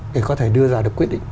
để có thể đưa ra được quyết định